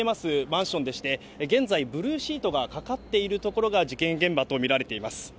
マンションでして、現在、ブルーシートがかかっている所が、事件現場と見られています。